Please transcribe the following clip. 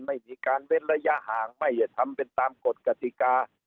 ไม่มีการเว้นระยะห่างไม่ได้ทำเป็นตามกฎกติกา